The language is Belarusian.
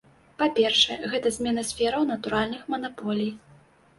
Па-першае, гэта змена сфераў натуральных манаполій.